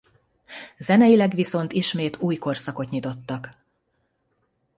Zeneileg viszont ismét új korszakot nyitottak.